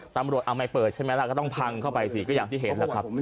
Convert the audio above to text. ตำรวจเอาไม่เปิดใช่ไหมล่ะก็ต้องพังเข้าไปสิก็อย่างที่เห็นแหละครับ